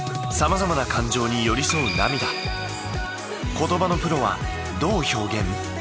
言葉のプロはどう表現？